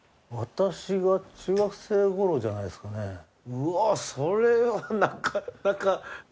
うわあそれはなかなか。